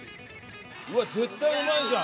うわっ絶対うまいじゃん！